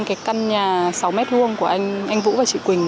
cái căn nhà sáu m hai của anh vũ và chị quỳnh